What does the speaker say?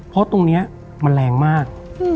เพราะตรงนี้มันแรงมาก